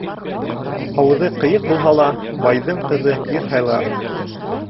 Ауыҙы ҡыйыҡ булһа ла, байҙың ҡыҙы ир һайлар.